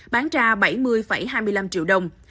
bán ra bảy mươi hai mươi năm triệu đồng